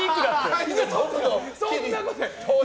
そんなことない。